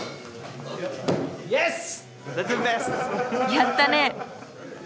やったね！